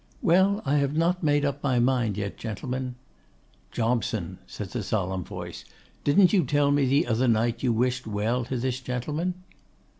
'Well, I have not made up my mind yet, gentlemen.' 'Jobson!' says a solemn voice, 'didn't you tell me the other night you wished well to this gentleman?